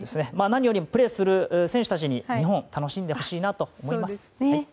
何よりプレーする選手たちに日本、楽しんでほしいなと思います。